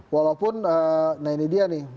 walaupun nah ini dia nih